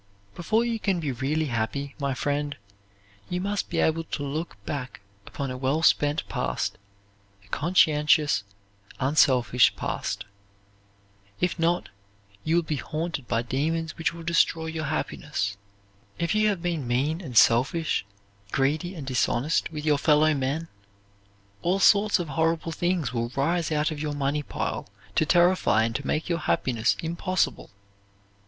Before you can be really happy, my friend, you must be able to look back upon a well spent past, a conscientious, unselfish past. If not, you will be haunted by demons which will destroy your happiness. If you have been mean and selfish, greedy and dishonest with your fellowmen, all sorts of horrible things will rise out of your money pile to terrify and to make your happiness impossible.